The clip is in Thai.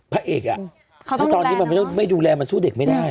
พระเอกอ่ะตอนนี้มันไม่ดูแลมันสู้เด็กไม่ได้